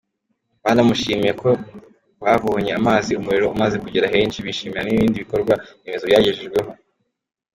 Banamushimiye ko babonye amazi, umuriro umaze kugera henshi, bishimira n’ibindi bikorwa remezo bagejejweho.